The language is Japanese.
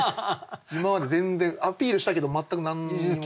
今まで全然アピールしたけど全く何にも。